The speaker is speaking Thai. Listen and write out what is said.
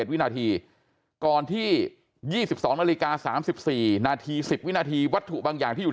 วินาทีก่อนที่๒๒นาฬิกา๓๔นาที๑๐วินาทีวัตถุบางอย่างที่อยู่